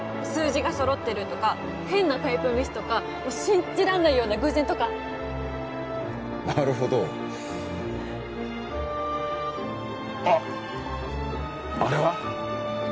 数字が揃ってるとか変なタイプミスとか信じられないような偶然とかなるほどあっあれは？